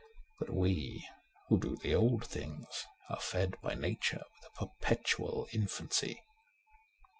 But we who do the old things are fed by Nature with a perpetual infancy.